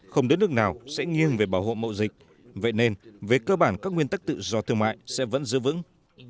không đất nước nào sẽ nghiêng về bảo hộ mậu dịch vậy nên về cơ bản các nguyên tắc tự do thương mại sẽ vẫn giữ vững